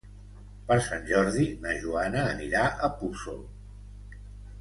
Per Sant Jordi na Joana anirà a Puçol.